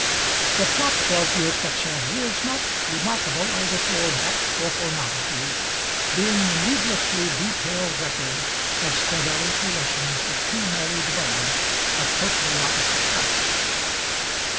The plot of 'Il Piacere' is not remarkable either for depth or for novelty, being the needlessly detailed record of Sperelli's relations with two married women, of totally opposite types.